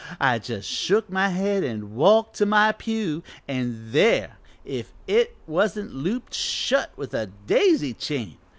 I just shook my head an' walked to my pew, an' there, if it wasn't looped shut with a daisy chain!